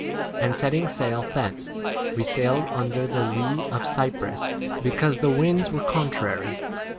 And setting sail thence we sailed under the lee of Cyprus, because the winds were contrary.